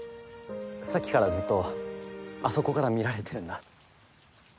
さっきからずっとあそこから見られてるんだ。